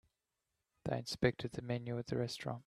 They inspected the menu at the restaurant.